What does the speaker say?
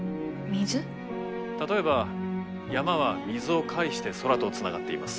例えば山は水を介して空とつながっています。